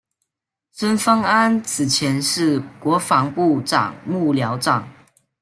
孙芳安此前是国防部长幕僚长。